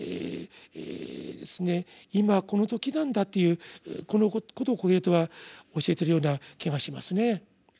今この時なんだというこのことをコヘレトは教えてるような気がしますねぇ。